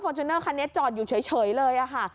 เบื้องต้นเนี่ยคาดว่าน่าจะมาจากฝนตกทะเลเลยค่ะ